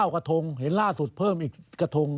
กระทงเห็นล่าสุดเพิ่มอีกกระทง